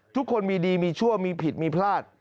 ทุกคนมีดีมีชั่วมีผิดมีพลาด